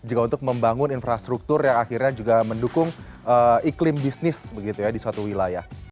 juga untuk membangun infrastruktur yang akhirnya juga mendukung iklim bisnis di suatu wilayah